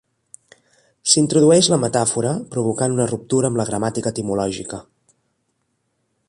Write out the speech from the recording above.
S'introdueix la metàfora, provocant una ruptura amb la gramàtica etimològica.